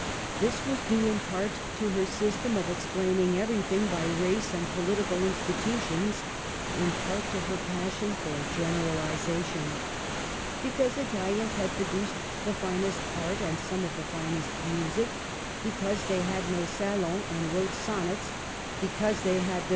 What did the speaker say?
This was due, in part, to her system of ex plaining everything by race and political institu tions, in part to her passion for generalization. Because Italians had produced the finest art and some of the finest music ; because they had no salons and wrote sonnets ; because they had de Digitized by VjOOQIC 234 " MADAME DE STAML.